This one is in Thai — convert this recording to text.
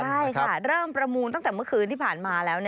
ใช่ค่ะเริ่มประมูลตั้งแต่เมื่อคืนที่ผ่านมาแล้ว